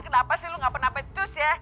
kenapa sih lo gak pernah pecus ya